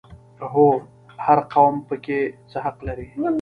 هر قوم پکې څه حق لري؟